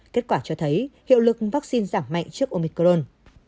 kết quả cho thấy hiệu lực vaccine giảm mạnh trước omicron